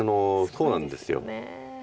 そうなんです。